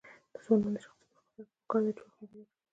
د ځوانانو د شخصي پرمختګ لپاره پکار ده چې وخت مدیریت کړي.